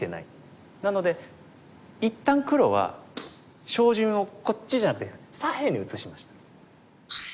なので一旦黒は照準をこっちじゃなくて左辺に移しました。